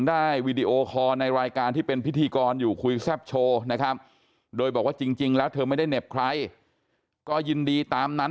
วีดีโอคอร์ในรายการที่เป็นพิธีกรอยู่คุยแซ่บโชว์นะครับโดยบอกว่าจริงแล้วเธอไม่ได้เหน็บใครก็ยินดีตามนั้น